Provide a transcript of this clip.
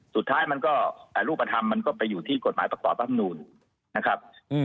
สุดท้ายมันก็รูปธรรมมันก็ไปอยู่ที่กฎหมายประกอบรัฐมนูลนะครับ